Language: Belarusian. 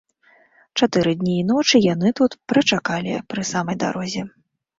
Чатыры дні і ночы яны тут прачакалі, пры самай дарозе.